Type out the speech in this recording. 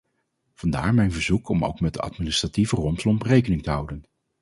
Vandaar mijn verzoek om ook met de administratieve rompslomp rekening te houden.